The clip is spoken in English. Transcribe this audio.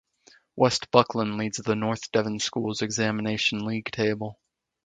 West Buckland leads the North Devon schools examination league table.